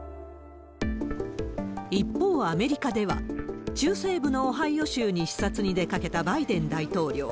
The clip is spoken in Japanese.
一方、アメリカでは、中西部のオハイオ州に視察に出かけたバイデン大統領。